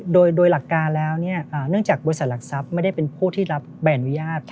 โดยหลักการแล้วเนื่องจากบริษัทหลักทรัพย์ไม่ได้เป็นผู้ที่รับใบอนุญาต